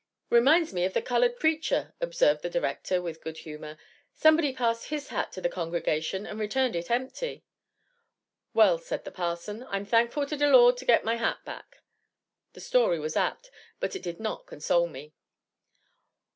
"Reminds me of the colored preacher," observed the director with good humor; "somebody passed his hat to the congregation and returned it empty. 'Well,' said the parson, 'I'm thankful to de Lawd to get my hat back." The story was apt, but it did not console me.